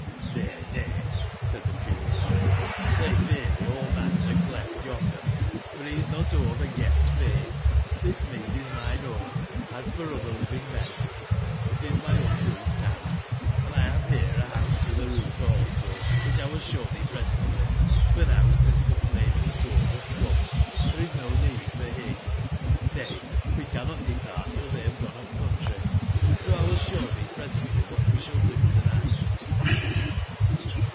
'*^"f^ay, nay/* said the puny fox; " they fear the old man in the cleft yonder; for he is not over guest/fain. XTbis mead is mineown, as for other living men ; itis my unroof ed house, and 1 have here a house with a roof also, whichl will show thee presently, for now since the flaming Sword bath come, there is no need for haste ; nay, we cannot depart till they have gone up/country. SoXwillshow thee pre sently what we shall do to/night."